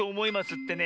ってね